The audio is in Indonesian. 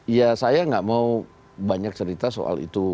ya saya nggak mau banyak cerita soal itu